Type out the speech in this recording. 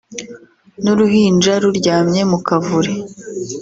n’uruhinja ruryamye mu kavure